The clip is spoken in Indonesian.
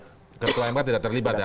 ketua mk tidak terlibat ya